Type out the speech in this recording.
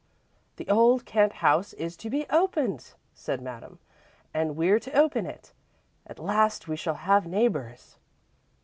"The old Kent house is to be opened," said Madame, "and we're to open it. At last we shall have neighbours!"